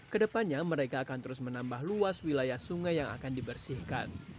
kedepannya mereka akan terus menambah luas wilayah sungai yang akan dibersihkan